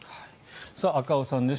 赤尾さんです